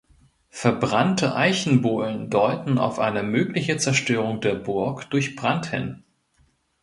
Verbrannte Eichenbohlen deuten auf eine mögliche Zerstörung der Burg durch Brand hin.